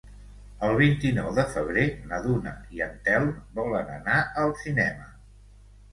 El vint-i-nou de febrer na Duna i en Telm volen anar al cinema.